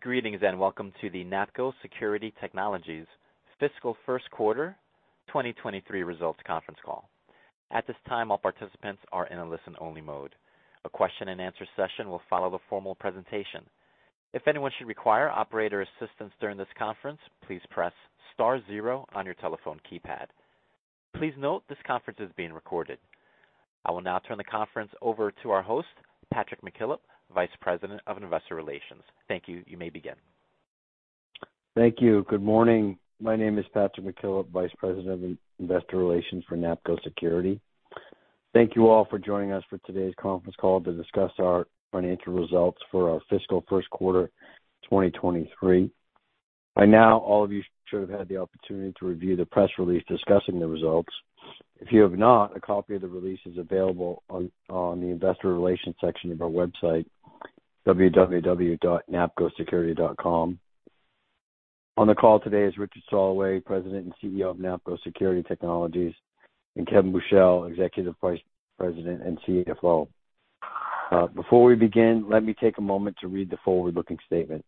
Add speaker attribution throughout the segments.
Speaker 1: Greetings, and welcome to the NAPCO Security Technologies Fiscal First Quarter 2023 Results Conference Call. At this time, all participants are in a listen-only mode. A question-and-answer session will follow the formal presentation. If anyone should require operator assistance during this conference, please press star zero on your telephone keypad. Please note this conference is being recorded. I will now turn the conference over to our host, Patrick McKillop, Vice President of Investor Relations. Thank you. You may begin.
Speaker 2: Thank you. Good morning. My name is Patrick McKillop, Vice President of Investor Relations for NAPCO Security. Thank you all for joining us for today's conference call to discuss our financial results for our fiscal first quarter 2023. By now, all of you should have had the opportunity to review the press release discussing the results. If you have not, a copy of the release is available on the investor relations section of our website, www.napcosecurity.com. On the call today is Richard Soloway, President and CEO of NAPCO Security Technologies, and Kevin Buchel, Executive Vice President and CFO. Before we begin, let me take a moment to read the forward-looking statement.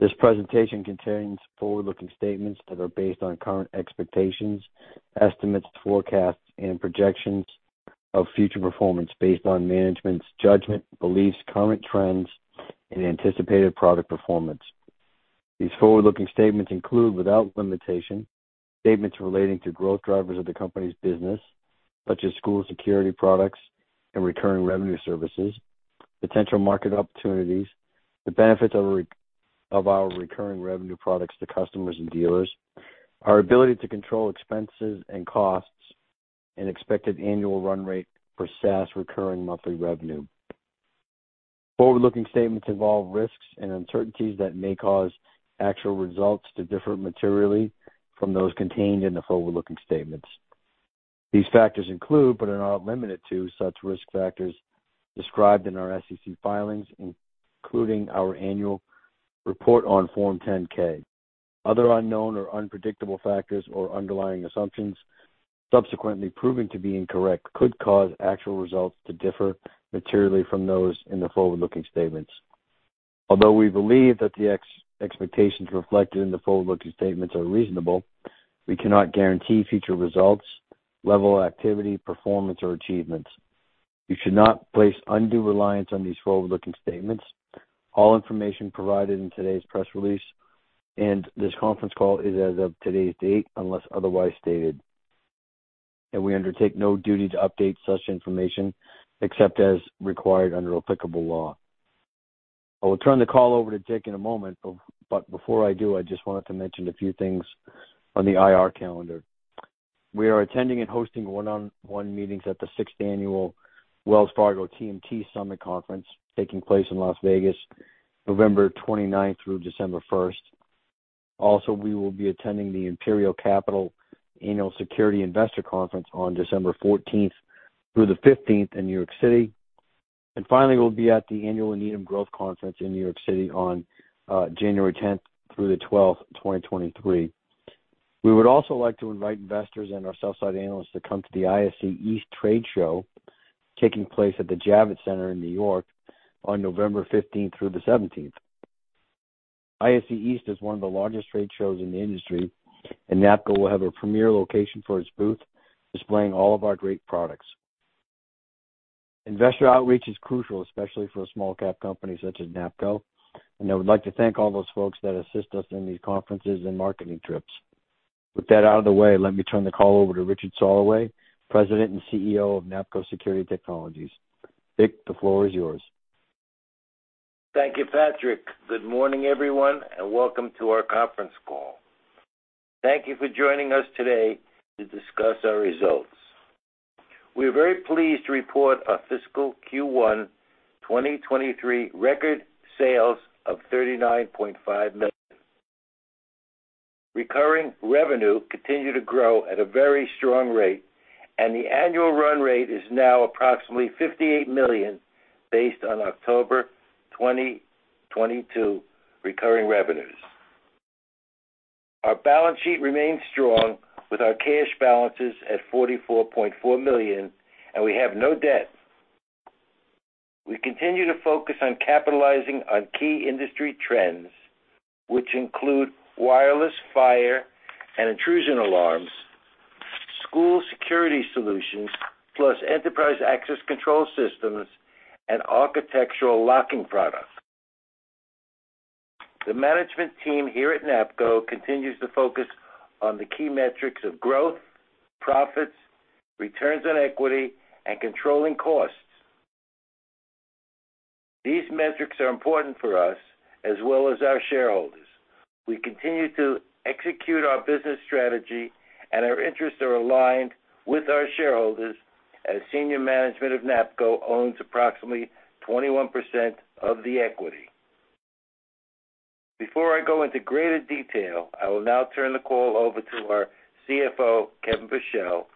Speaker 2: This presentation contains forward-looking statements that are based on current expectations, estimates, forecasts, and projections of future performance based on management's judgment, beliefs, current trends, and anticipated product performance. These forward-looking statements include, without limitation, statements relating to growth drivers of the company's business, such as school security products and recurring revenue services, potential market opportunities, the benefits of our recurring revenue products to customers and dealers, our ability to control expenses and costs, and expected annual run rate for SaaS recurring monthly revenue. Forward-looking statements involve risks and uncertainties that may cause actual results to differ materially from those contained in the forward-looking statements. These factors include, but are not limited to, such risk factors described in our SEC filings, including our annual report on Form 10-K. Other unknown or unpredictable factors or underlying assumptions subsequently proven to be incorrect could cause actual results to differ materially from those in the forward-looking statements. Although we believe that the expectations reflected in the forward-looking statements are reasonable, we cannot guarantee future results, level of activity, performance, or achievements. You should not place undue reliance on these forward-looking statements. All information provided in today's press release and this conference call is as of today's date, unless otherwise stated, and we undertake no duty to update such information except as required under applicable law. I will turn the call over to Ric in a moment, but before I do, I just wanted to mention a few things on the IR calendar. We are attending and hosting one-on-one meetings at the sixth annual Wells Fargo TMT Summit Conference taking place in Las Vegas November twenty-ninth through December first. Also, we will be attending the Imperial Capital Annual Security Investor Conference on December 14th through the 15th in New York City. Finally, we'll be at the annual Needham Growth Conference in New York City on January 10th through the 12th, 2023. We would also like to invite investors and our sell-side analysts to come to the ISC East Trade Show taking place at the Javits Center in New York on November 15 through 17. ISC East is one of the largest trade shows in the industry, and NAPCO will have a premier location for its booth, displaying all of our great products. Investor outreach is crucial, especially for a small-cap company such as NAPCO, and I would like to thank all those folks that assist us in these conferences and marketing trips. With that out of the way, let me turn the call over to Richard Soloway, President and CEO of NAPCO Security Technologies. Ric, the floor is yours.
Speaker 3: Thank you, Patrick. Good morning, everyone, and welcome to our conference call. Thank you for joining us today to discuss our results. We are very pleased to report our fiscal Q1 2023 record sales of $39.5 million. Recurring revenue continued to grow at a very strong rate, and the annual run rate is now approximately $58 million, based on October 2022 recurring revenues. Our balance sheet remains strong with our cash balances at $44.4 million, and we have no debt. We continue to focus on capitalizing on key industry trends, which include wireless fire and intrusion alarms, school security solutions, plus enterprise access control systems and architectural locking products. The management team here at NAPCO continues to focus on the key metrics of growth, profits, returns on equity, and controlling costs. These metrics are important for us as well as our shareholders. We continue to execute our business strategy, and our interests are aligned with our shareholders as senior management of NAPCO owns approximately 21% of the equity. Before I go into greater detail, I will now turn the call over to our CFO, Kevin Buchel.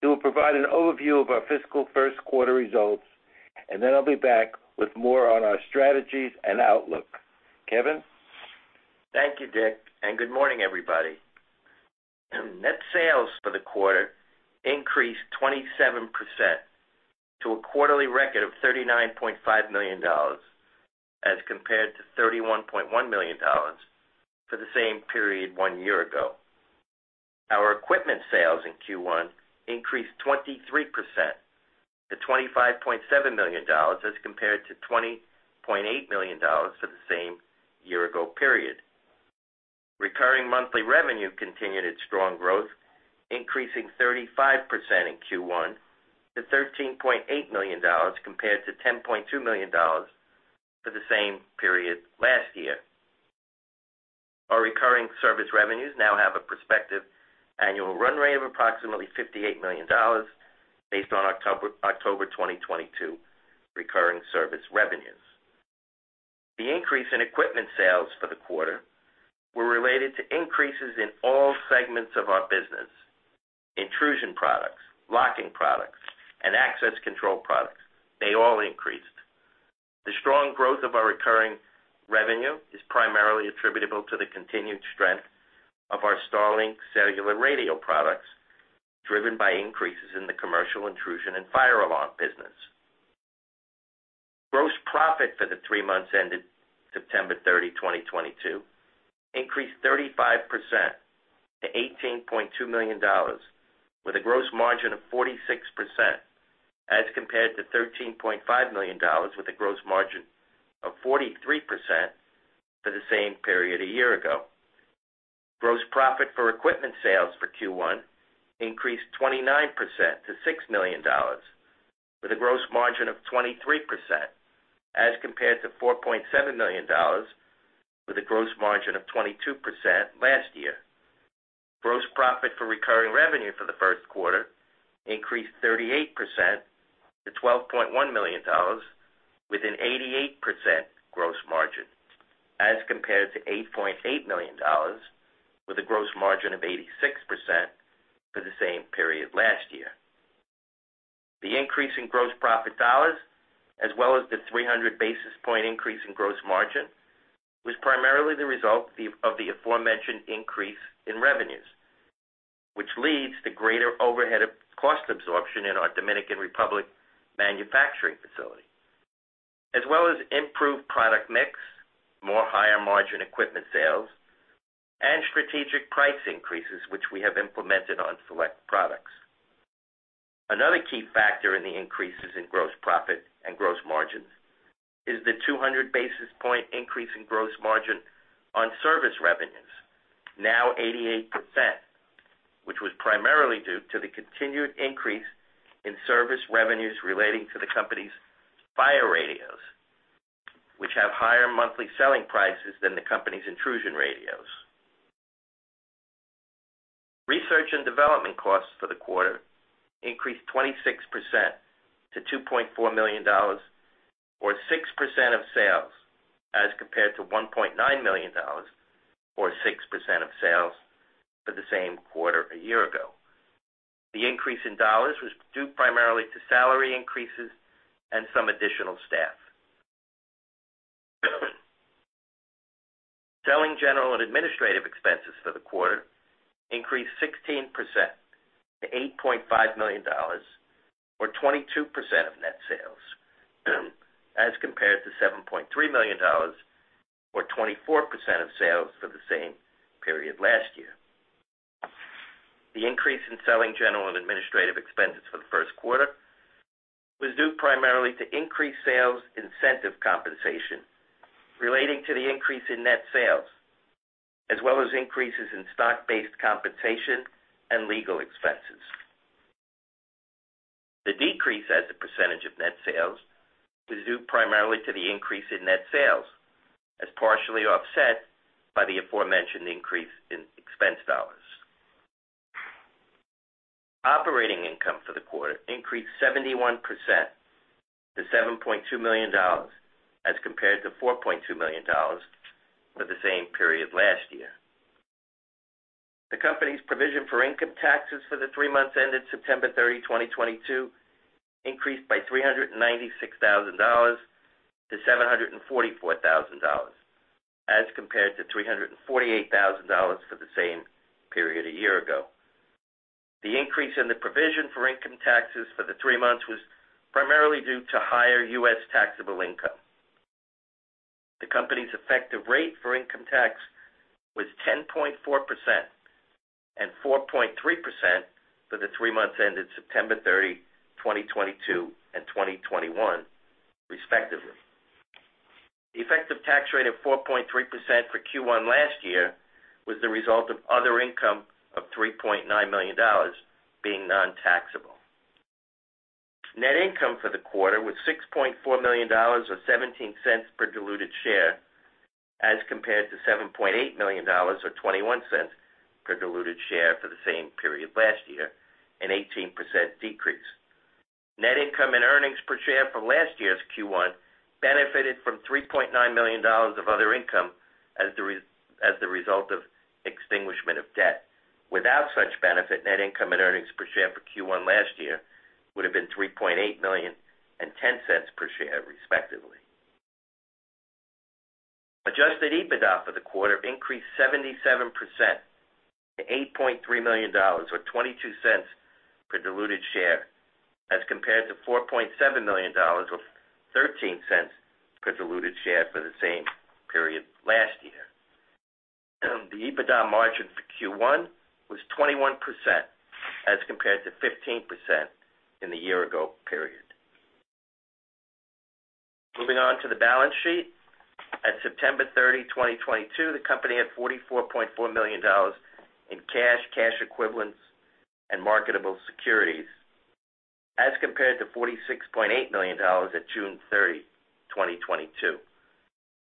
Speaker 3: He will provide an overview of our fiscal first quarter results, and then I'll be back with more on our strategies and outlook. Kevin?
Speaker 4: Thank you, Ric, and good morning, everybody. Net sales for the quarter increased 27% to a quarterly record of $39.5 million, as compared to $31.1 million for the same period one year ago. Our equipment sales in Q1 increased 23% to $25.7 million, as compared to $20.8 million for the same period one year ago. Recurring monthly revenue continued its strong growth, increasing 35% in Q1 to $13.8 million compared to $10.2 million for the same period last year. Our recurring service revenues now have a prospective annual run rate of approximately $58 million based on October 2022 recurring service revenues. The increase in equipment sales for the quarter were related to increases in all segments of our business, intrusion products, locking products, and access control products. They all increased. The strong growth of our recurring revenue is primarily attributable to the continued strength of our StarLink cellular radio products, driven by increases in the commercial intrusion and fire alarm business. Gross profit for the three months ended September 30, 2022 increased 35% to $18.2 million with a gross margin of 46% as compared to $13.5 million with a gross margin of 43% for the same period a year ago. Gross profit for equipment sales for Q1 increased 29% to $6 million with a gross margin of 23% as compared to $4.7 million with a gross margin of 22% last year. Gross profit for recurring revenue for the first quarter increased 38% to $12.1 million with an 88% gross margin as compared to $8.8 million with a gross margin of 86% for the same period last year. The increase in gross profit dollars, as well as the 300 basis point increase in gross margin, was primarily the result of the aforementioned increase in revenues, which leads to greater overhead cost absorption in our Dominican Republic manufacturing facility. As well as improved product mix, more higher margin equipment sales, and strategic price increases, which we have implemented on select products. Another key factor in the increases in gross profit and gross margins is the 200 basis point increase in gross margin on service revenues, now 88%, which was primarily due to the continued increase in service revenues relating to the company's fire radios, which have higher monthly selling prices than the company's intrusion radios. Research and development costs for the quarter increased 26% to $2.4 million, or 6% of sales, as compared to $1.9 million, or 6% of sales for the same quarter a year ago. The increase in dollars was due primarily to salary increases and some additional staff. Selling general and administrative expenses for the quarter increased 16% to $8.5 million, or 22% of net sales, as compared to $7.3 million, or 24% of sales for the same period last year. The increase in selling, general, and administrative expenses for the first quarter was due primarily to increased sales incentive compensation relating to the increase in net sales, as well as increases in stock-based compensation and legal expenses. The decrease as a percentage of net sales was due primarily to the increase in net sales as partially offset by the aforementioned increase in expense dollars. Operating income for the quarter increased 71% to $7.2 million as compared to $4.2 million for the same period last year. The company's provision for income taxes for the three months ended September 30, 2022 increased by $396,000-$744,000 as compared to $348,000 for the same period a year ago. The increase in the provision for income taxes for the three months was primarily due to higher U.S. taxable income. The company's effective rate for income tax was 10.4% and 4.3% for the three months ended September 30, 2022 and 2021, respectively. The effective tax rate of 4.3% for Q1 last year was the result of other income of $3.9 million being non-taxable. Net income for the quarter was $6.4 million, or $0.17 per diluted share, as compared to $7.8 million or $0.21 per diluted share for the same period last year, an 18% decrease. Net income and earnings per share from last year's Q1 benefited from $3.9 million of other income as the result of extinguishment of debt. Without such benefit, net income and earnings per share for Q1 last year would have been $3.8 million and $0.10 per share, respectively. Adjusted EBITDA for the quarter increased 77% to $8.3 million, or $0.22 per diluted share, as compared to $4.7 million, or $0.13 per diluted share for the same period last year. The EBITDA margin for Q1 was 21% as compared to 15% in the year ago period. Moving on to the balance sheet. At September 30, 2022, the company had $44.4 million in cash equivalents, and marketable securities, as compared to $46.8 million at June 30, 2022.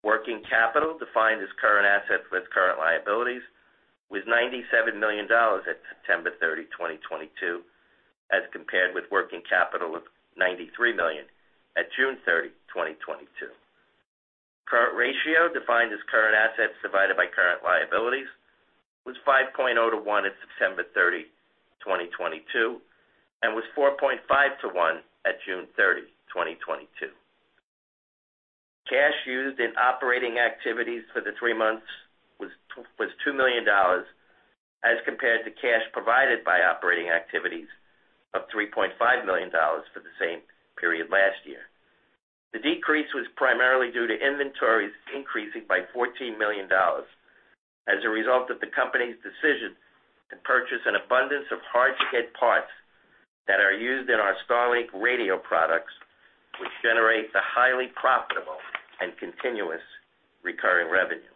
Speaker 4: Working capital, defined as current assets with current liabilities, was $97 million at September 30, 2022, as compared with working capital of $93 million at June 30, 2022. Current ratio, defined as current assets divided by current liabilities, was 5.0-to-1 at September 30, 2022, and was 4.5-to-1 at June 30, 2022. Cash used in operating activities for the three months was $2 million, as compared to cash provided by operating activities of $3.5 million for the same period last year. The decrease was primarily due to inventories increasing by $14 million as a result of the company's decision to purchase an abundance of hard-to-get parts that are used in our StarLink radio products, which generate the highly profitable and continuous recurring revenue.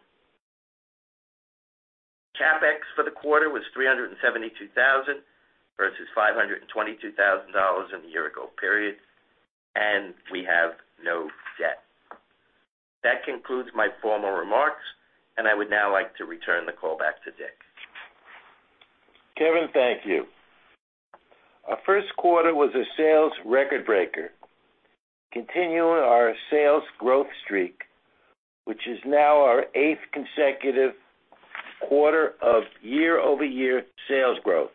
Speaker 4: CapEx for the quarter was $372,000 versus $522,000 in the year-ago period, and we have no debt. That concludes my formal remarks, and I would now like to return the call back to Ric.
Speaker 3: Kevin, thank you. Our first quarter was a sales record breaker, continuing our sales growth streak, which is now our eighth consecutive quarter of year-over-year sales growth.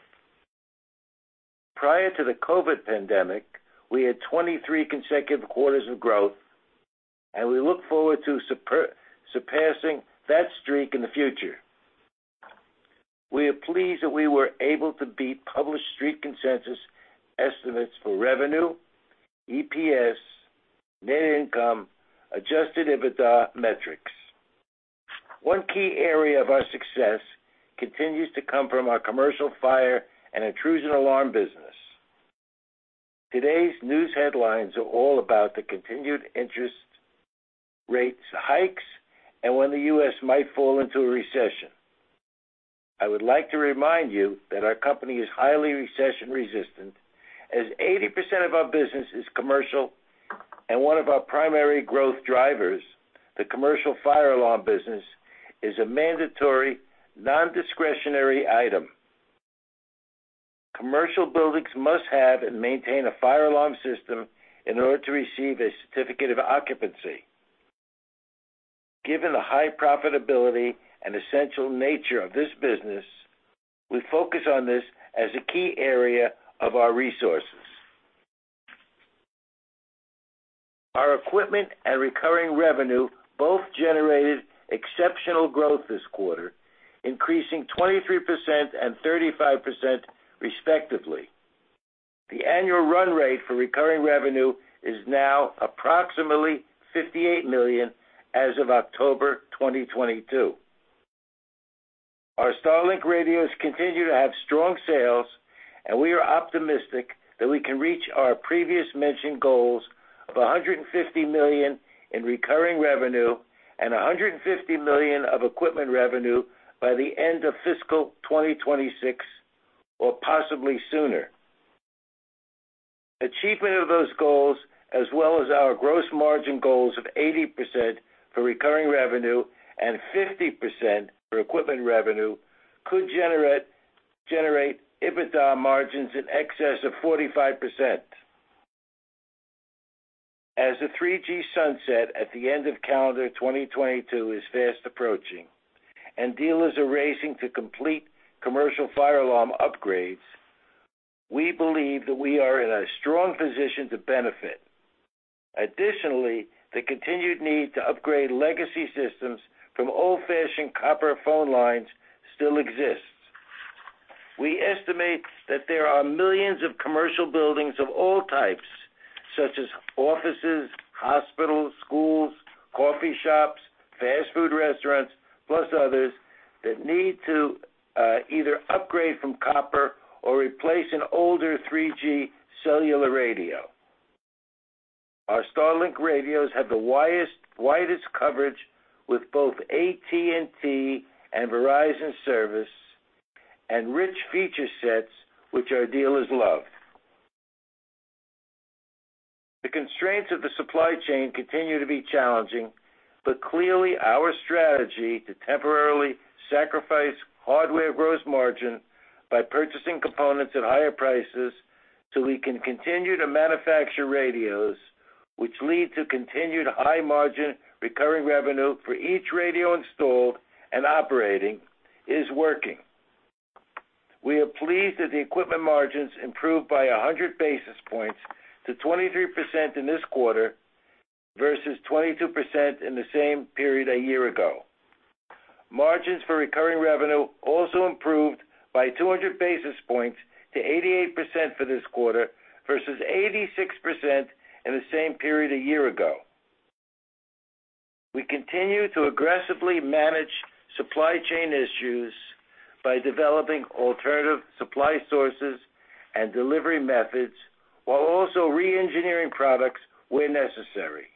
Speaker 3: Prior to the COVID pandemic, we had 23 consecutive quarters of growth, and we look forward to surpassing that streak in the future. We are pleased that we were able to beat published street consensus estimates for revenue, EPS, net income, adjusted EBITDA metrics. One key area of our success continues to come from our commercial fire and intrusion alarm business. Today's news headlines are all about the continued interest rate hikes and when the U.S. might fall into a recession. I would like to remind you that our company is highly recession resistant as 80% of our business is commercial, and one of our primary growth drivers, the commercial fire alarm business, is a mandatory non-discretionary item. Commercial buildings must have and maintain a fire alarm system in order to receive a certificate of occupancy. Given the high profitability and essential nature of this business, we focus on this as a key area of our resources. Our equipment and recurring revenue both generated exceptional growth this quarter, increasing 23% and 35%, respectively. The annual run rate for recurring revenue is now approximately $58 million as of October 2022. Our StarLink radios continue to have strong sales, and we are optimistic that we can reach our previous mentioned goals of $150 million in recurring revenue and $150 million of equipment revenue by the end of fiscal 2026, or possibly sooner. Achievement of those goals, as well as our gross margin goals of 80% for recurring revenue and 50% for equipment revenue, could generate EBITDA margins in excess of 45%. As the 3G sunset at the end of calendar 2022 is fast approaching and dealers are racing to complete commercial fire alarm upgrades, we believe that we are in a strong position to benefit. Additionally, the continued need to upgrade legacy systems from old-fashioned copper phone lines still exists. We estimate that there are millions of commercial buildings of all types, such as offices, hospitals, schools, coffee shops, fast food restaurants, plus others, that need to either upgrade from copper or replace an older 3G cellular radio. Our StarLink radios have the widest coverage with both AT&T and Verizon service and rich feature sets which our dealers love. The constraints of the supply chain continue to be challenging, but clearly our strategy to temporarily sacrifice hardware gross margin by purchasing components at higher prices so we can continue to manufacture radios which lead to continued high margin recurring revenue for each radio installed and operating is working. We are pleased that the equipment margins improved by 100 basis points to 23% in this quarter versus 22% in the same period a year ago. Margins for recurring revenue also improved by 200 basis points to 88% for this quarter versus 86% in the same period a year ago. We continue to aggressively manage supply chain issues by developing alternative supply sources and delivery methods, while also re-engineering products where necessary.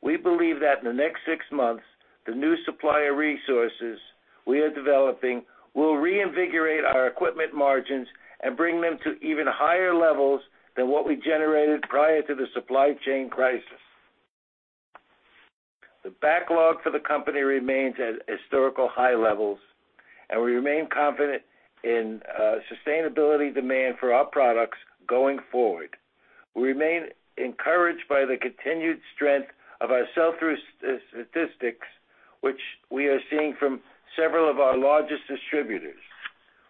Speaker 3: We believe that in the next six months, the new supplier resources we are developing will reinvigorate our equipment margins and bring them to even higher levels than what we generated prior to the supply chain crisis. The backlog for the company remains at historical high levels, and we remain confident in sustainability demand for our products going forward. We remain encouraged by the continued strength of our sell-through statistics, which we are seeing from several of our largest distributors.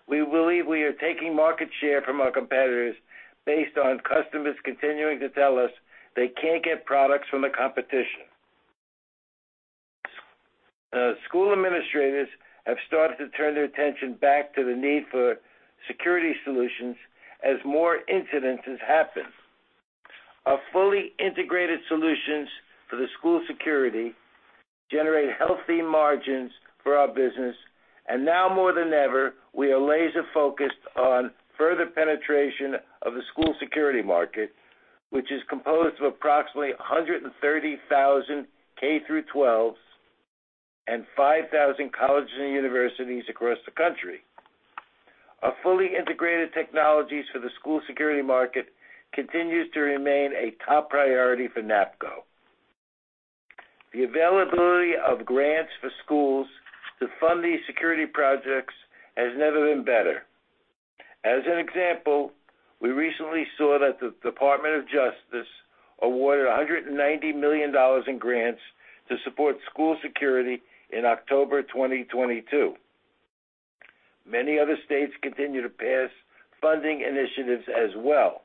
Speaker 3: We believe we are taking market share from our competitors based on customers continuing to tell us they can't get products from the competition. School administrators have started to turn their attention back to the need for security solutions as more incidents happen. Our fully integrated solutions for the school security generate healthy margins for our business. Now more than ever, we are laser-focused on further penetration of the school security market, which is composed of approximately 130,000 K-12s and 5,000 colleges and universities across the country. Our fully integrated technologies for the school security market continues to remain a top priority for NAPCO. The availability of grants for schools to fund these security projects has never been better. As an example, we recently saw that the Department of Justice awarded $190 million in grants to support school security in October 2022. Many other states continue to pass funding initiatives as well.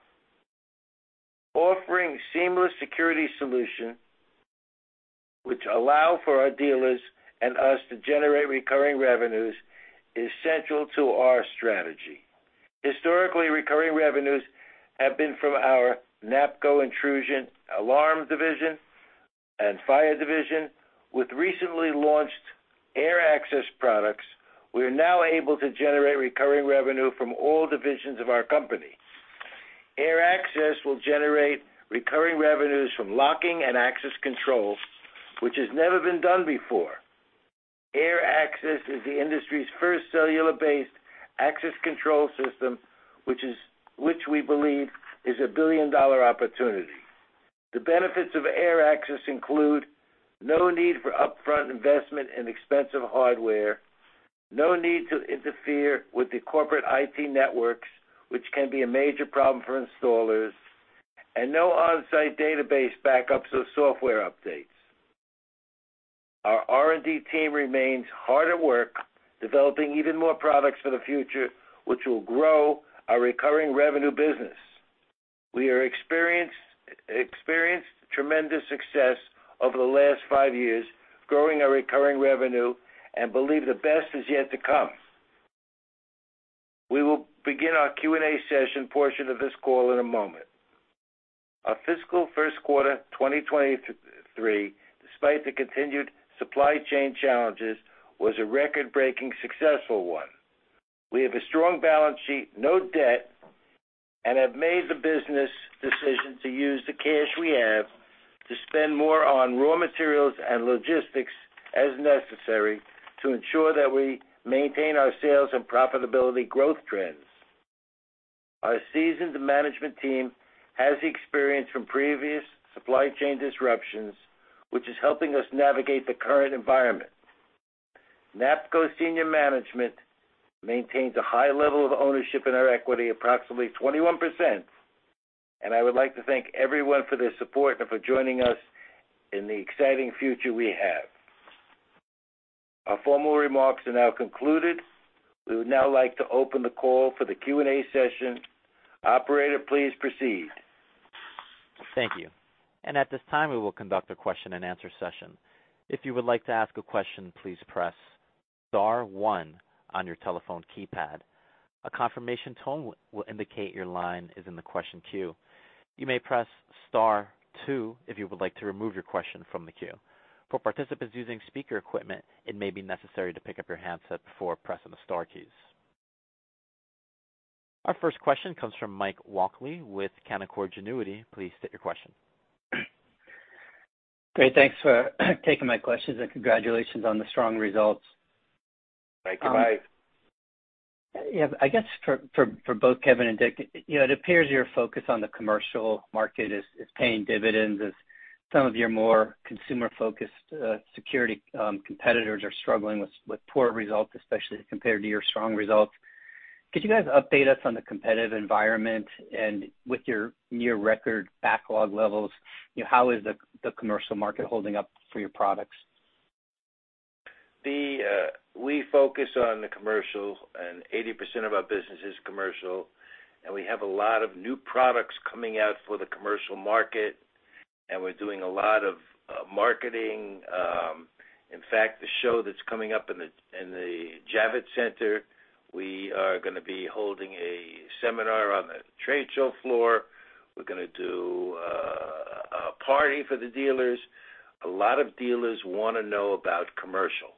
Speaker 3: Offering seamless security solution which allow for our dealers and us to generate recurring revenues is central to our strategy. Historically, recurring revenues have been from our NAPCO intrusion alarm division and fire division. With recently launched AirAccess products, we are now able to generate recurring revenue from all divisions of our company. AirAccess will generate recurring revenues from locking and access control, which has never been done before. AirAccess is the industry's first cellular-based access control system, which we believe is a billion-dollar opportunity. The benefits of AirAccess include no need for upfront investment in expensive hardware, no need to interfere with the corporate IT networks, which can be a major problem for installers, and no on-site database backups or software updates. Our R&D team remains hard at work, developing even more products for the future, which will grow our recurring revenue business. We experienced tremendous success over the last five years, growing our recurring revenue and believe the best is yet to come. We will begin our Q&A session portion of this call in a moment. Our fiscal first quarter 2023, despite the continued supply chain challenges, was a record-breaking successful one. We have a strong balance sheet, no debt, and have made the business decision to use the cash we have to spend more on raw materials and logistics as necessary to ensure that we maintain our sales and profitability growth trends. Our seasoned management team has the experience from previous supply chain disruptions, which is helping us navigate the current environment. NAPCO senior management maintains a high level of ownership in our equity, approximately 21%, and I would like to thank everyone for their support and for joining us in the exciting future we have. Our formal remarks are now concluded. We would now like to open the call for the Q&A session. Operator, please proceed.
Speaker 1: Thank you. At this time, we will conduct a question-and-answer session. If you would like to ask a question, please press star one on your telephone keypad. A confirmation tone will indicate your line is in the question queue. You may press star two if you would like to remove your question from the queue. For participants using speaker equipment, it may be necessary to pick up your handset before pressing the star keys. Our first question comes from Mike Walkley with Canaccord Genuity. Please state your question.
Speaker 5: Great. Thanks for taking my questions and congratulations on the strong results.
Speaker 3: Thank you, Mike.
Speaker 5: Yeah. I guess for both Kevin and Ric, you know, it appears your focus on the commercial market is paying dividends as some of your more consumer-focused security competitors are struggling with poor results, especially compared to your strong results. Could you guys update us on the competitive environment? With your near record backlog levels, you know, how is the commercial market holding up for your products?
Speaker 4: We focus on the commercial and 80% of our business is commercial, and we have a lot of new products coming out for the commercial market, and we're doing a lot of marketing. In fact, the show that's coming up in the Javits Center, we are gonna be holding a seminar on the trade show floor. We're gonna do a party for the dealers. A lot of dealers wanna know about commercial.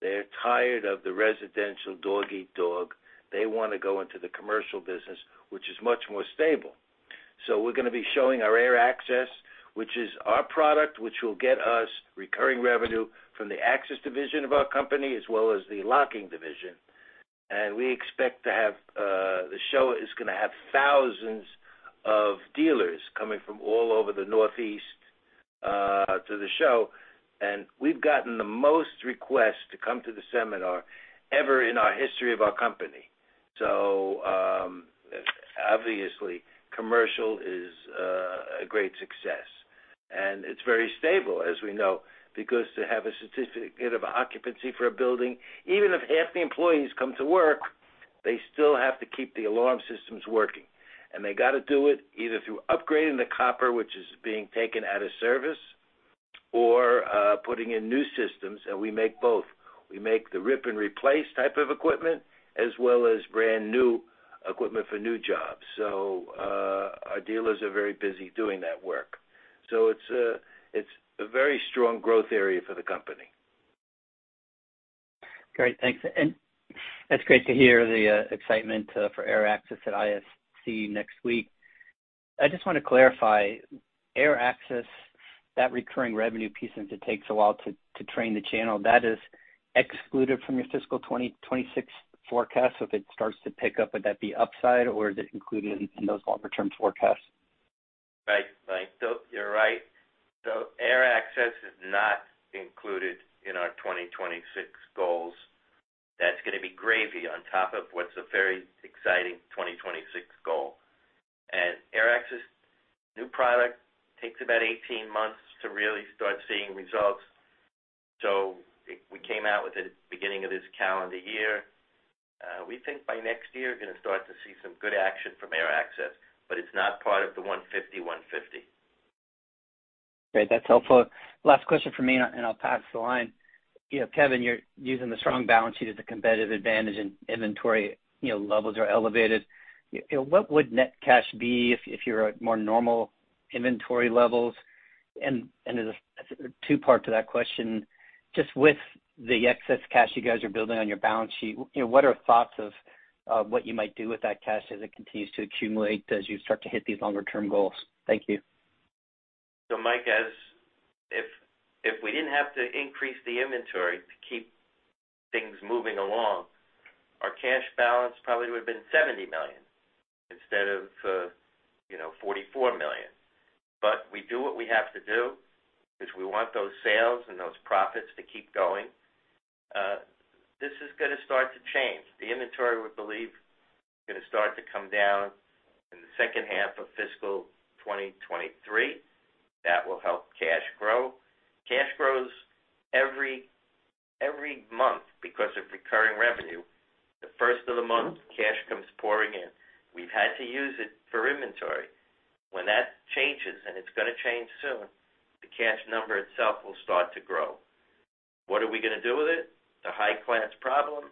Speaker 4: They're tired of the residential dog-eat-dog. They wanna go into the commercial business, which is much more stable. We're gonna be showing our AirAccess, which is our product, which will get us recurring revenue from the access division of our company, as well as the locking division. We expect to have, the show is gonna have thousands of dealers coming from all over the Northeast, to the show. We've gotten the most requests to come to the seminar ever in our history of our company. Obviously, commercial is a great success, and it's very stable, as we know, because to have a certificate of occupancy for a building, even if half the employees come to work, they still have to keep the alarm systems working. They gotta do it either through upgrading the copper, which is being taken out of service or putting in new systems, and we make both. We make the rip-and-replace type of equipment, as well as brand-new equipment for new jobs. Our dealers are very busy doing that work. It's a very strong growth area for the company.
Speaker 5: Great. Thanks. That's great to hear the excitement for AirAccess at ISC next week. I just wanna clarify, AirAccess, that recurring revenue piece, and it takes a while to train the channel, that is excluded from your fiscal 2026 forecast. If it starts to pick up, would that be upside, or is it included in those longer-term forecasts?
Speaker 4: Right. You're right. AirAccess is not included in our 2026 goals. That's gonna be gravy on top of what's a very exciting 2026 goal. AirAccess new product takes about 18 months to really start seeing results. We came out with it at the beginning of this calendar year. We think by next year, we're gonna start to see some good action from AirAccess, but it's not part of the 150/150.
Speaker 5: Great. That's helpful. Last question from me, and I'll pass the line. You know, Kevin, you're using the strong balance sheet as a competitive advantage, and inventory, you know, levels are elevated. You know, what would net cash be if you're at more normal inventory levels? There's two parts to that question. Just with the excess cash you guys are building on your balance sheet, you know, what are thoughts of what you might do with that cash as it continues to accumulate as you start to hit these longer-term goals? Thank you.
Speaker 4: Mike, if we didn't have to increase the inventory to keep things moving along, our cash balance probably would have been $70 million instead of $44 million. We do what we have to do 'cause we want those sales and those profits to keep going. This is gonna start to change. The inventory, we believe, gonna start to come down in the second half of fiscal 2023. That will help cash grow. Cash grows every month because of recurring revenue. The first of the month, cash comes pouring in. We've had to use it for inventory. When that changes, and it's gonna change soon, the cash number itself will start to grow. What are we gonna do with it? It's a high-class problem.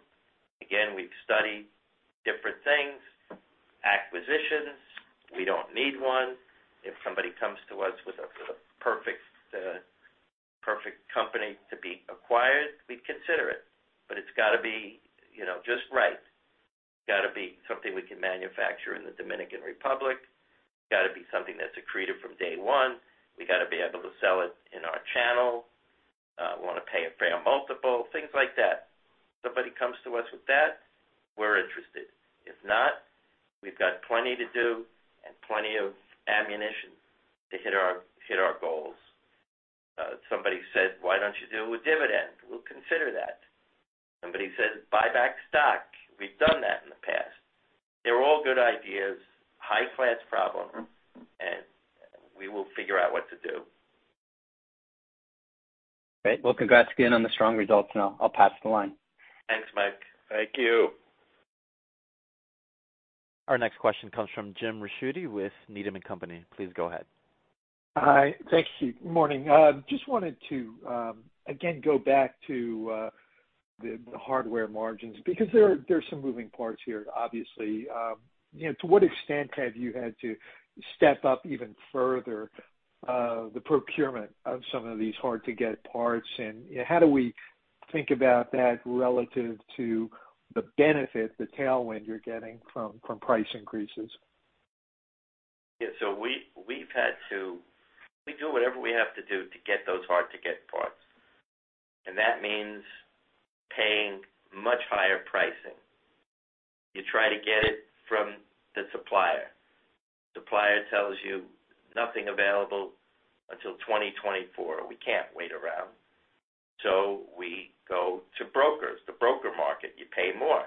Speaker 4: Again, we've studied different things. Acquisitions, we don't need one. If somebody comes to us with a perfect company to be acquired, we'd consider it. But it's gotta be, you know, just right. It's gotta be something we can manufacture in the Dominican Republic. It's gotta be something that's accretive from day one. We gotta be able to sell it in our channel, wanna pay a fair multiple, things like that. Somebody comes to us with that, we're interested. If not, we've got plenty to do and plenty of ammunition to hit our goals. Somebody said, "Why don't you do a dividend?" We'll consider that. Somebody says, "Buy back stock." We've done that in the past. They're all good ideas, high-class problems, and we will figure out what to do.
Speaker 5: Great. Well, congrats again on the strong results, and I'll pass the line.
Speaker 4: Thanks, Mike.
Speaker 3: Thank you.
Speaker 1: Our next question comes from Jim Ricchiuti with Needham & Company. Please go ahead.
Speaker 6: Hi. Thank you. Morning. Just wanted to again go back to the hardware margins because there's some moving parts here, obviously. You know, to what extent have you had to step up even further the procurement of some of these hard-to-get parts? You know, how do we think about that relative to the benefit, the tailwind you're getting from price increases?
Speaker 4: Yeah. We've had to do whatever we have to do to get those hard-to-get parts, and that means paying much higher pricing. You try to get it from the supplier. Supplier tells you nothing available until 2024. We can't wait around. We go to brokers, the broker market, you pay more.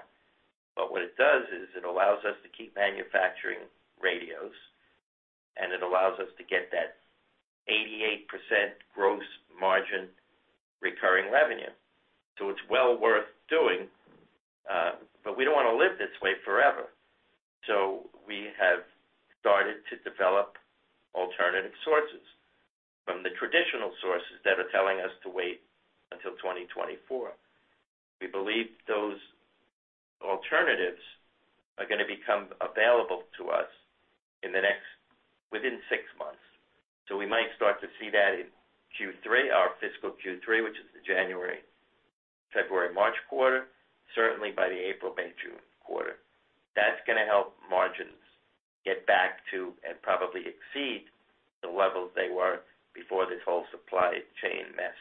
Speaker 4: What it does is it allows us to keep manufacturing radios. It allows us to get that 88% gross margin recurring revenue. It's well worth doing, but we don't wanna live this way forever. We have started to develop alternative sources from the traditional sources that are telling us to wait until 2024. We believe those alternatives are gonna become available to us within six months. We might start to see that in Q3, our fiscal Q3, which is the January, February, March quarter, certainly by the April, May, June quarter. That's gonna help margins get back to, and probably exceed, the levels they were before this whole supply chain mess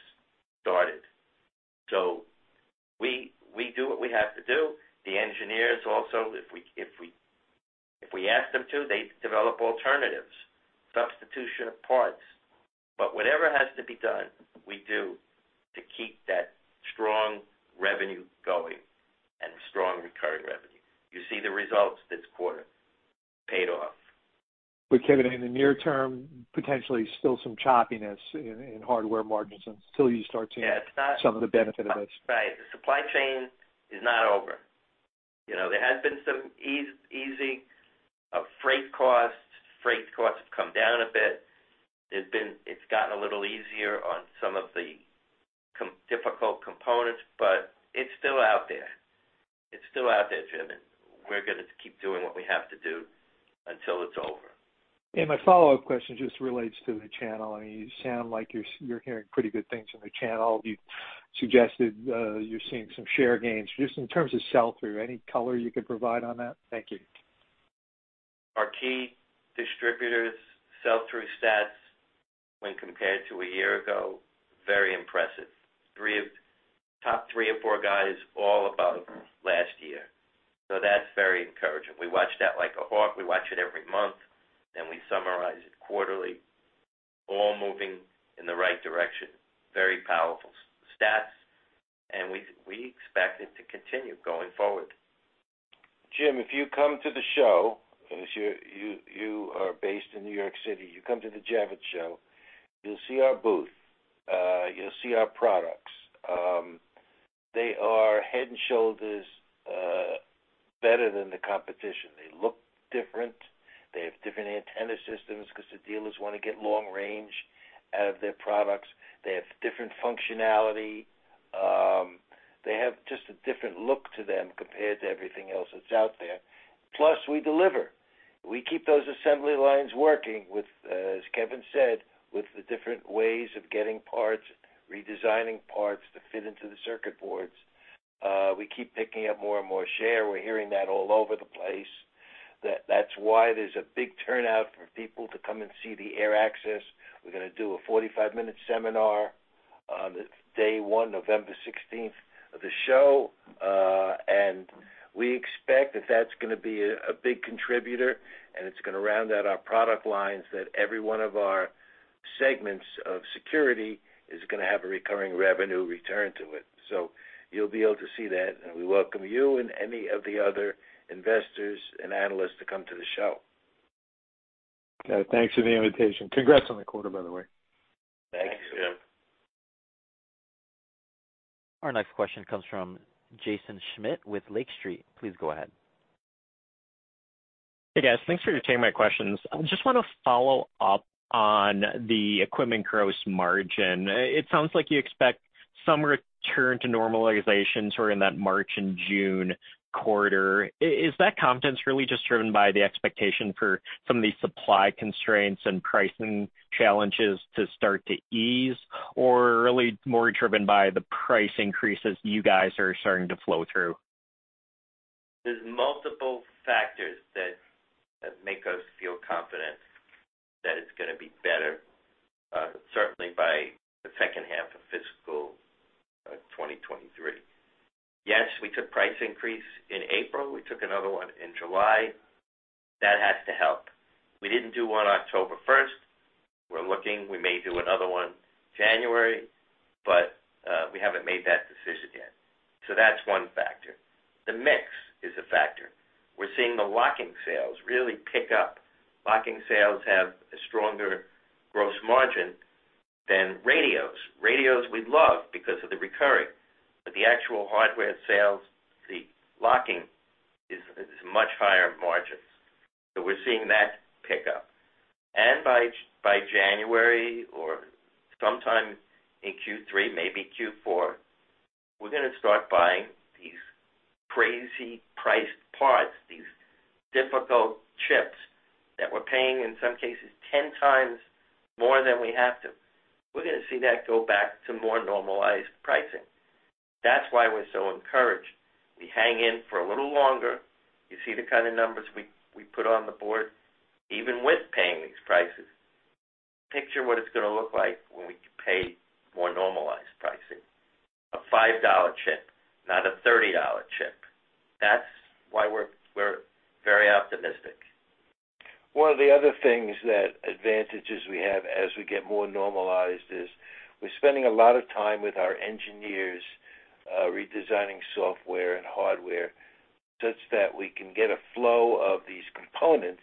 Speaker 4: started. We do what we have to do. The engineers also, if we ask them to, they develop alternatives, substitution of parts. Whatever has to be done, we do to keep that strong revenue going and strong recurring revenue. You see the results this quarter. Paid off.
Speaker 6: Kevin, in the near term, potentially still some choppiness in hardware margins until you start seeing -
Speaker 4: Yeah, it's not-
Speaker 6: - some of the benefit of this.
Speaker 4: Right. The supply chain is not over. You know, there has been some easing of freight costs. Freight costs have come down a bit. It's gotten a little easier on some of the difficult components, but it's still out there. It's still out there, Jim, and we're gonna keep doing what we have to do until it's over.
Speaker 6: My follow-up question just relates to the channel. I mean, you sound like you're hearing pretty good things from the channel. You suggested you're seeing some share gains. Just in terms of sell-through, any color you could provide on that? Thank you.
Speaker 4: Our key distributors' sell-through stats when compared to a year ago, very impressive. Top three or four guys, all above last year. That's very encouraging. We watch that like a hawk. We watch it every month, and we summarize it quarterly. All moving in the right direction. Very powerful stats, and we expect it to continue going forward.
Speaker 3: Jim, if you come to the show, since you are based in New York City, you come to the Javits Center, you'll see our booth. You'll see our products. They are head and shoulders better than the competition. They look different. They have different antenna systems 'cause the dealers wanna get long range out of their products. They have different functionality. They have just a different look to them compared to everything else that's out there. Plus, we deliver. We keep those assembly lines working with, as Kevin said, with the different ways of getting parts, redesigning parts to fit into the circuit boards. We keep picking up more and more share. We're hearing that all over the place. That's why there's a big turnout for people to come and see the AirAccess. We're gonna do a 45-minute seminar on day one, November sixteenth of the show. We expect that that's gonna be a big contributor, and it's gonna round out our product lines that every one of our segments of security is gonna have a recurring revenue return to it. You'll be able to see that, and we welcome you and any of the other investors and analysts to come to the show.
Speaker 6: Okay. Thanks for the invitation. Congrats on the quarter, by the way.
Speaker 4: Thanks, Jim.
Speaker 1: Our next question comes from Jaeson Schmidt with Lake Street. Please go ahead.
Speaker 7: Hey, guys. Thanks for taking my questions. I just wanna follow up on the equipment gross margin. It sounds like you expect some return to normalization sort of in that March and June quarter. Is that confidence really just driven by the expectation for some of these supply constraints and pricing challenges to start to ease or really more driven by the price increases you guys are starting to flow through?
Speaker 4: There's multiple factors that make us feel confident that it's gonna be better, certainly by the second half of fiscal 2023. Yes, we took price increase in April. We took another one in July. That has to help. We didn't do one October first. We're looking. We may do another one January, but we haven't made that decision yet. That's one factor. The mix is a factor. We're seeing the locking sales really pick up. Locking sales have a stronger gross margin than radios. Radios we love because of the recurring, but the actual hardware sales, the locking is much higher margins. We're seeing that pick up. By January or sometime in Q3, maybe Q4, we're gonna start buying these crazy priced parts, these difficult chips that we're paying, in some cases, 10 times more than we have to. We're gonna see that go back to more normalized pricing. That's why we're so encouraged. We hang in for a little longer. You see the kind of numbers we put on the board even with paying these prices. Picture what it's gonna look like when we can pay more normalized pricing. A $5 chip, not a $30 chip. That's why we're very optimistic.
Speaker 3: One of the other things that advantages we have as we get more normalized is we're spending a lot of time with our engineers, redesigning software and hardware such that we can get a flow of these components,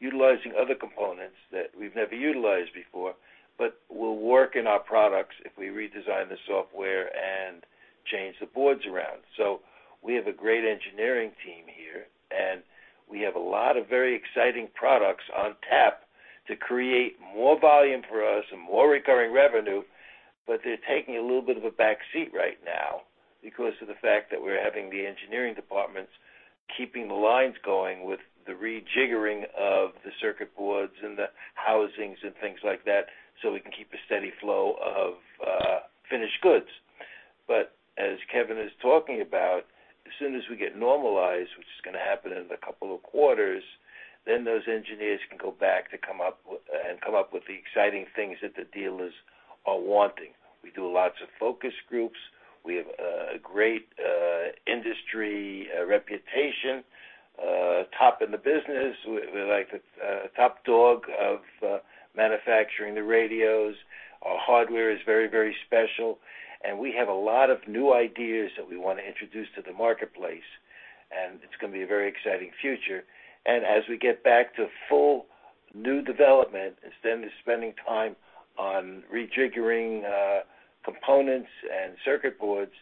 Speaker 3: utilizing other components that we've never utilized before, but will work in our products if we redesign the software and change the boards around. So we have a great engineering team here, and we have a lot of very exciting products on tap to create more volume for us and more recurring revenue. But they're taking a little bit of a back seat right now because of the fact that we're having the engineering departments keeping the lines going with the rejiggering of the circuit boards and the housings and things like that, so we can keep a steady flow of finished goods. As Kevin is talking about, as soon as we get normalized, which is gonna happen in a couple of quarters, then those engineers can go back to come up with the exciting things that the dealers are wanting. We do lots of focus groups. We have a great industry reputation, top in the business. We're like the top dog of manufacturing the radios. Our hardware is very, very special, and we have a lot of new ideas that we wanna introduce to the marketplace, and it's gonna be a very exciting future. As we get back to full new development, instead of spending time on rejiggering components and circuit boards,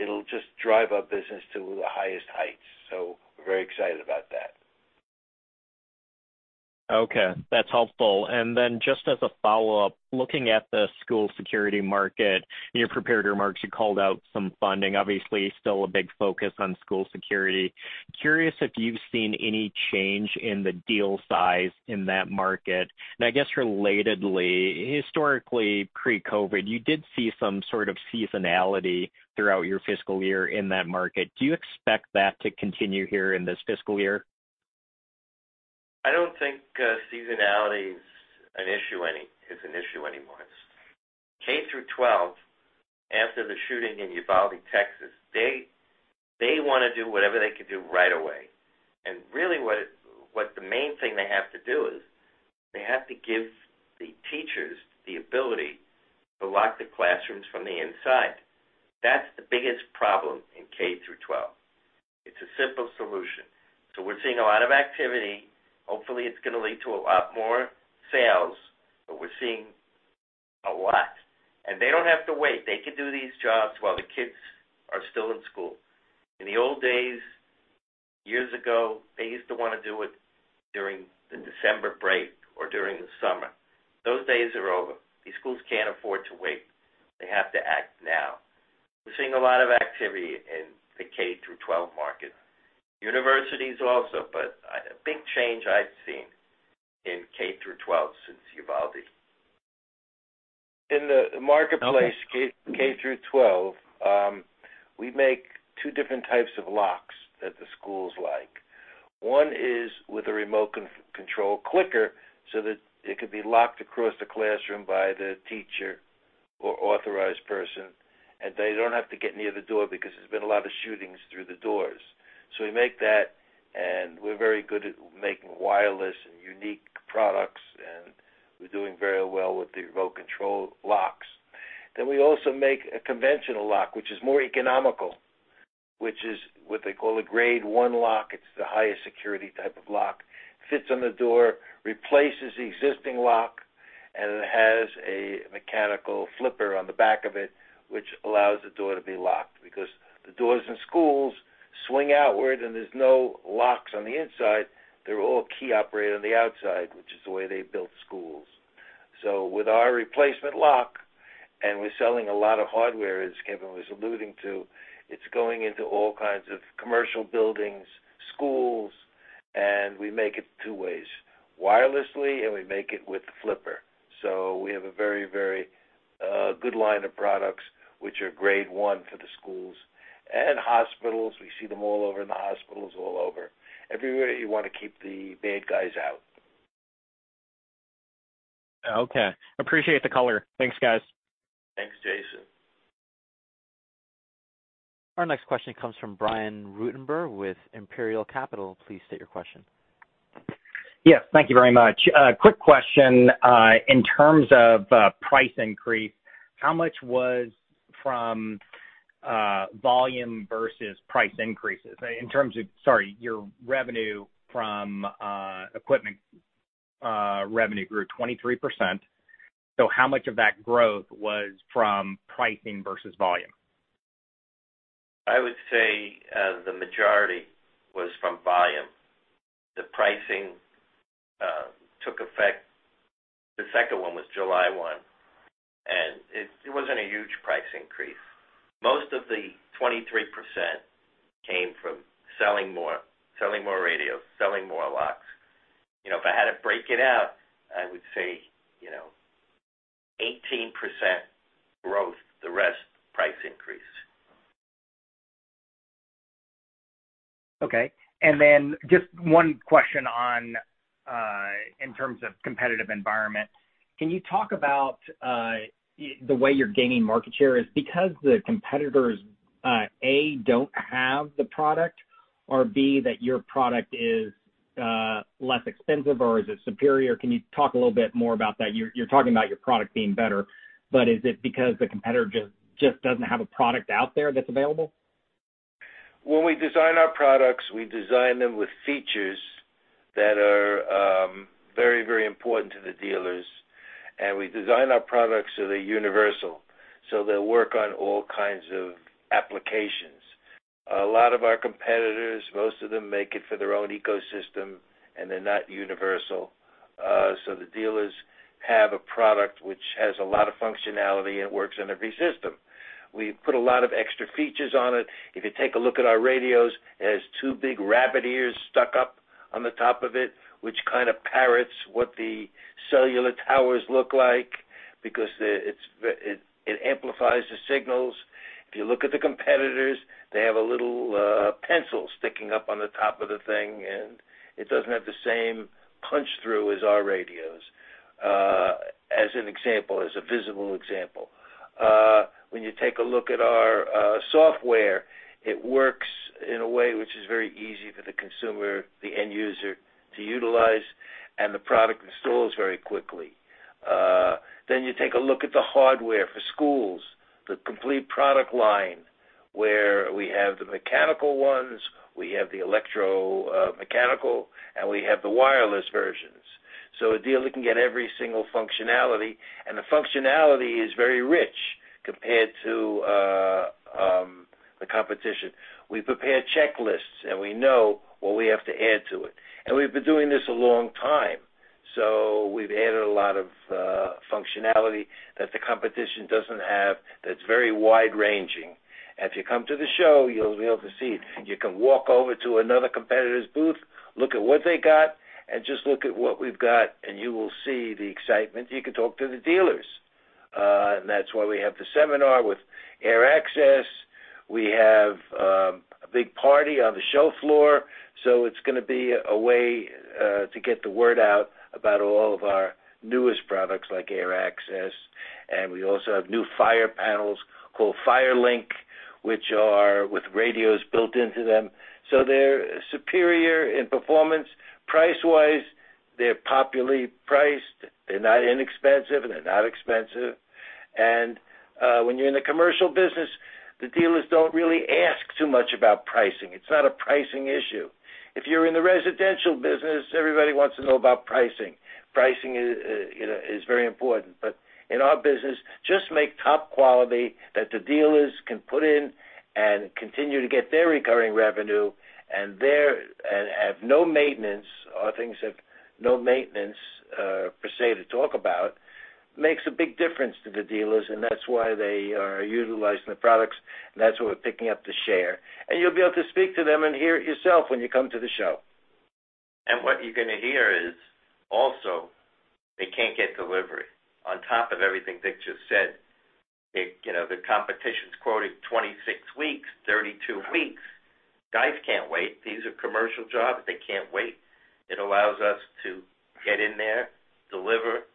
Speaker 3: it'll just drive our business to the highest heights. We're very excited about that.
Speaker 7: Okay, that's helpful. Just as a follow-up, looking at the school security market, in your prepared remarks, you called out some funding. Obviously, still a big focus on school security. Curious if you've seen any change in the deal size in that market. I guess relatedly, historically pre-COVID, you did see some sort of seasonality throughout your fiscal year in that market. Do you expect that to continue here in this fiscal year?
Speaker 4: I don't think seasonality is an issue anymore. K-12, after the shooting in Uvalde, Texas, they wanna do whatever they can do right away. Really, what the main thing they have to do is they have to give the teachers the ability to lock the classrooms from the inside. That's the biggest problem in K-12. It's a simple solution. We're seeing a lot of activity. Hopefully, it's gonna lead to a lot more sales, but we're seeing a lot. They don't have to wait. They can do these jobs while the kids are still in school. In the old days, years ago, they used to wanna do it during the December break or during the summer. Those days are over. These schools can't afford to wait. They have to act now. We're seeing a lot of activity in the K-12 market. Universities also, but a big change I've seen in K-12 since Uvalde.
Speaker 3: In the marketplace.
Speaker 7: Okay.
Speaker 3: K through twelve, we make two different types of locks that the schools like. One is with a remote control clicker, so that it could be locked across the classroom by the teacher or authorized person. They don't have to get near the door because there's been a lot of shootings through the doors. We make that, and we're very good at making wireless and unique products, and we're doing very well with the remote control locks. We also make a conventional lock, which is more economical, which is what they call a grade one lock. It's the highest security type of lock. Fits on the door, replaces the existing lock, and it has a mechanical flipper on the back of it, which allows the door to be locked, because the doors in schools swing outward and there's no locks on the inside. They're all key operated on the outside, which is the way they built schools. With our replacement lock, and we're selling a lot of hardware, as Kevin was alluding to, it's going into all kinds of commercial buildings, schools, and we make it two ways, wirelessly, and we make it with the flipper. We have a very good line of products which are grade one for the schools and hospitals. We see them all over in the hospitals, all over. Everywhere you want to keep the bad guys out.
Speaker 7: Okay. Appreciate the color. Thanks, guys.
Speaker 3: Thanks, Jaeson.
Speaker 1: Our next question comes from Brian Ruttenbur with Imperial Capital. Please state your question.
Speaker 8: Yes, thank you very much. Quick question. In terms of price increase, how much was from volume versus price increases? Your revenue from equipment revenue grew 23%. How much of that growth was from pricing versus volume?
Speaker 4: I would say the majority was from volume. The pricing took effect. The second one was July 1, and it wasn't a huge price increase. Most of the 23% came from selling more radios, selling more locks. You know, if I had to break it out, I would say, you know, 18% growth, the rest price increase.
Speaker 8: Okay. Just one question on in terms of competitive environment. Can you talk about the way you're gaining market share? Is it because the competitors A, don't have the product? Or B, that your product is less expensive or is it superior? Can you talk a little bit more about that? You're talking about your product being better, but is it because the competitor just doesn't have a product out there that's available?
Speaker 3: When we design our products, we design them with features that are very, very important to the dealers, and we design our products so they're universal, so they'll work on all kinds of applications. A lot of our competitors, most of them make it for their own ecosystem, and they're not universal. So the dealers have a product which has a lot of functionality, and it works in every system. We put a lot of extra features on it. If you take a look at our radios, it has two big rabbit ears stuck up on the top of it, which kind of parrots what the cellular towers look like because it amplifies the signals. If you look at the competitors, they have a little, pencil sticking up on the top of the thing, and it doesn't have the same punch-through as our radios, as an example, as a visible example. When you take a look at our software, it works in a way which is very easy for the consumer, the end user, to utilize, and the product installs very quickly. You take a look at the hardware for schools, the complete product line where we have the mechanical ones, we have the electromechanical, and we have the wireless versions. A dealer can get every single functionality, and the functionality is very rich compared to, the competition. We prepare checklists, and we know what we have to add to it. We've been doing this a long time, so we've added a lot of functionality that the competition doesn't have that's very wide-ranging. If you come to the show, you'll be able to see it. You can walk over to another competitor's booth, look at what they got, and just look at what we've got, and you will see the excitement. You can talk to the dealers. That's why we have the seminar with AirAccess. We have a big party on the show floor, so it's gonna be a way to get the word out about all of our newest products like AirAccess. We also have new fire panels called FireLink, which are with radios built into them. They're superior in performance. Price-wise, they're popularly priced. They're not inexpensive, and they're not expensive. When you're in the commercial business, the dealers don't really ask too much about pricing. It's not a pricing issue. If you're in the residential business, everybody wants to know about pricing. Pricing is, you know, is very important. But in our business, just make top quality that the dealers can put in and continue to get their recurring revenue and have no maintenance or things have no maintenance, per se, to talk about, makes a big difference to the dealers, and that's why they are utilizing the products, and that's why we're picking up the share. You'll be able to speak to them and hear it yourself when you come to the show.
Speaker 4: What you're gonna hear is also they can't get delivery. On top of everything Ric just said, it, you know, the competition's quoting 26 weeks, 32 weeks. Guys can't wait. These are commercial jobs. They can't wait. It allows us to get in there, deliver, and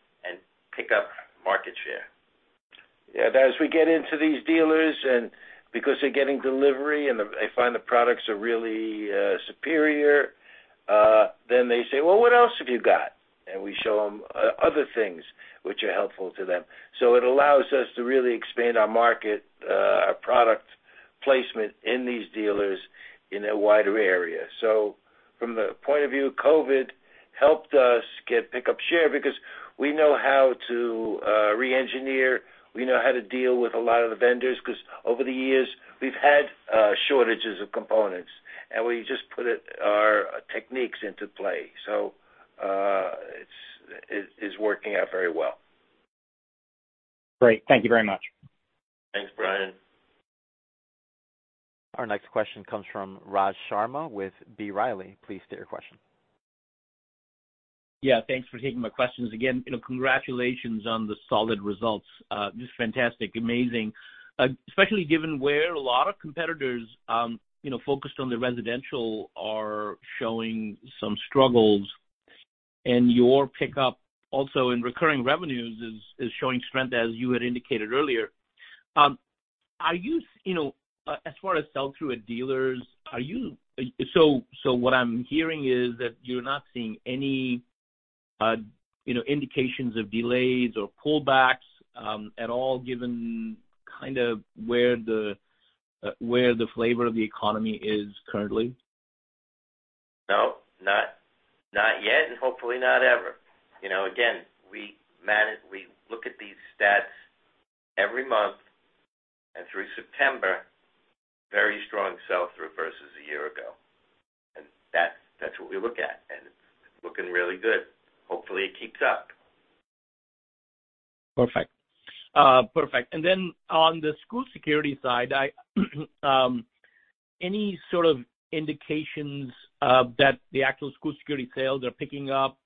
Speaker 4: pick up market share.
Speaker 3: Yeah, as we get into these dealers and because they're getting delivery and they find the products are really superior, then they say, "Well, what else have you got?" We show them other things which are helpful to them. It allows us to really expand our market, our product placement in these dealers in a wider area. From the point of view, COVID helped us get pick up share because we know how to re-engineer. We know how to deal with a lot of the vendors 'cause over the years we've had shortages of components, and we just put our techniques into play. It is working out very well.
Speaker 8: Great. Thank you very much.
Speaker 4: Thanks, Brian.
Speaker 1: Our next question comes from Raj Sharma with B. Riley. Please state your question.
Speaker 9: Yeah, thanks for taking my questions again. You know, congratulations on the solid results. Just fantastic, amazing. Especially given where a lot of competitors, you know, focused on the residential are showing some struggles. Your pickup also in recurring revenues is showing strength, as you had indicated earlier. So what I'm hearing is that you're not seeing any, you know, indications of delays or pullbacks at all given kind of where the flavor of the economy is currently?
Speaker 4: No, not yet, and hopefully not ever. You know, again, we look at these stats every month and through September, very strong sell-through versus a year ago. That's what we look at, and it's looking really good. Hopefully, it keeps up.
Speaker 9: Perfect. Perfect. On the school security side, any sort of indications that the actual school security sales are picking up?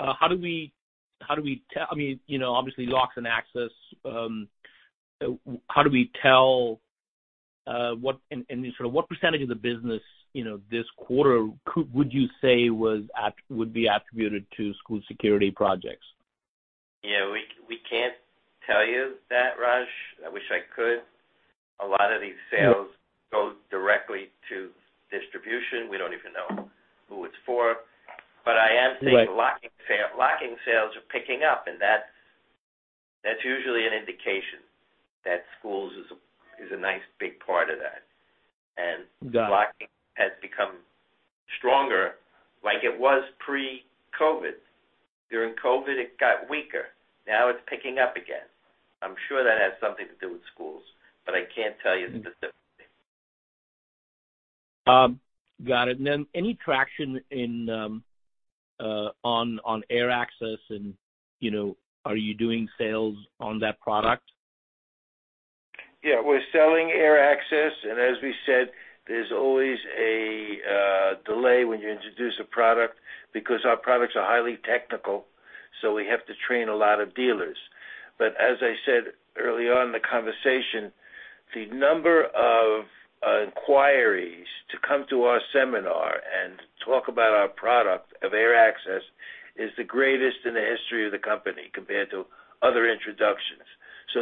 Speaker 9: I mean, you know, obviously locks and access, how do we tell what and sort of what percentage of the business, you know, this quarter could, would you say would be attributed to school security projects?
Speaker 4: Yeah, we can't tell you that, Raj. I wish I could. A lot of these sales go directly to distribution. We don't even know who it's for. I am seeing locking sales are picking up, and that's usually an indication that schools is a nice big part of that.
Speaker 9: Got it.
Speaker 4: Locking has become stronger like it was pre-COVID. During COVID, it got weaker. Now it's picking up again. I'm sure that has something to do with schools, but I can't tell you specifically.
Speaker 9: Got it. Any traction on AirAccess and, you know, are you doing sales on that product?
Speaker 3: Yeah. We're selling AirAccess, and as we said, there's always a delay when you introduce a product because our products are highly technical, so we have to train a lot of dealers. As I said early on in the conversation, the number of inquiries to come to our seminar and talk about our product of AirAccess is the greatest in the history of the company compared to other introductions.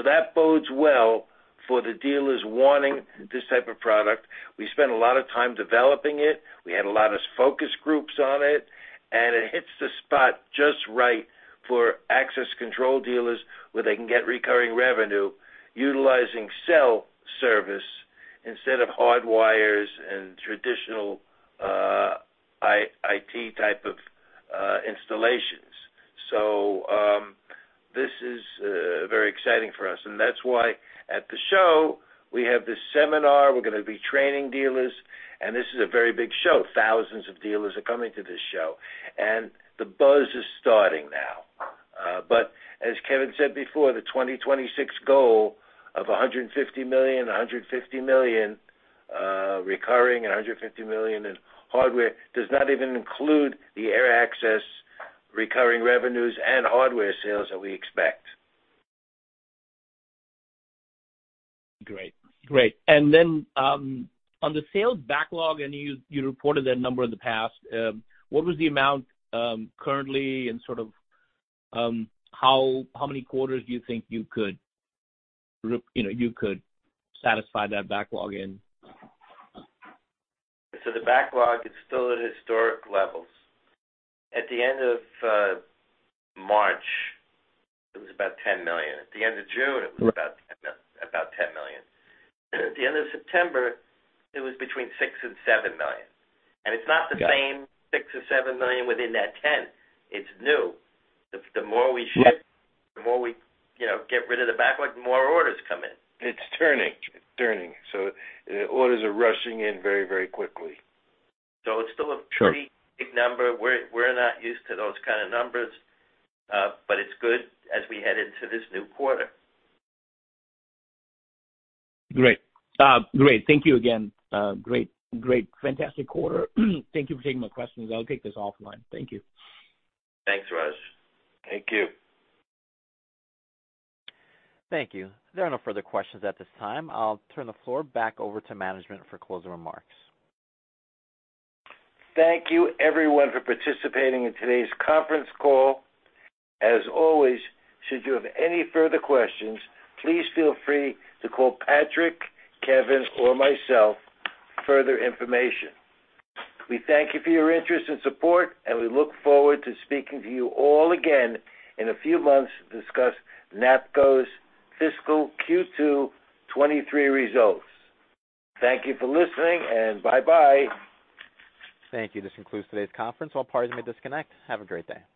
Speaker 3: That bodes well for the dealers wanting this type of product. We spent a lot of time developing it. We had a lot of focus groups on it, and it hits the spot just right for access control dealers where they can get recurring revenue utilizing cell service instead of hard wires and traditional IT type of installations. This is very exciting for us, and that's why at the show we have this seminar. We're gonna be training dealers, and this is a very big show. Thousands of dealers are coming to this show. The buzz is starting now. As Kevin said before, the 2026 goal of $150 million recurring and $150 million in hardware does not even include the AirAccess recurring revenues and hardware sales that we expect.
Speaker 9: Great. On the sales backlog, you reported that number in the past, what was the amount currently and sort of, how many quarters do you think you could, you know, satisfy that backlog in?
Speaker 4: The backlog is still at historic levels. At the end of March, it was about $10 million. At the end of June-
Speaker 9: Right
Speaker 4: It was about $10 million. At the end of September, it was between $6 million and $7 million.
Speaker 9: Got it.
Speaker 4: It's not the same $6-$7 million within that $10 million. It's new. The more we ship-
Speaker 9: Right
Speaker 4: The more we, you know, get rid of the backlog, the more orders come in.
Speaker 3: It's turning. The orders are rushing in very, very quickly.
Speaker 4: So it's still a-
Speaker 3: Sure
Speaker 4: Pretty big number. We're not used to those kind of numbers, but it's good as we head into this new quarter.
Speaker 9: Great. Great. Thank you again. Great. Fantastic quarter. Thank you for taking my questions. I'll take this offline. Thank you.
Speaker 4: Thanks, Raj.
Speaker 3: Thank you.
Speaker 1: Thank you. There are no further questions at this time. I'll turn the floor back over to management for closing remarks.
Speaker 3: Thank you everyone for participating in today's conference call. As always, should you have any further questions, please feel free to call Patrick, Kevin, or myself for further information. We thank you for your interest and support, and we look forward to speaking to you all again in a few months to discuss NAPCO's fiscal Q2 2023 results. Thank you for listening, and bye-bye.
Speaker 1: Thank you. This concludes today's conference. All parties may disconnect. Have a great day.